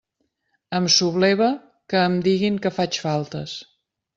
Em subleva que em diguin que faig faltes.